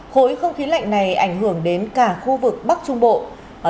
khối không khí lạnh này ảnh hưởng đến cả khu vực bắc trung bộ